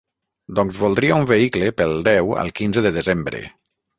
Doncs voldria un vehicle pel deu al quinze de desembre.